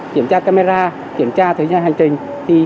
kiểm tra camera kiểm tra thời gian hành trình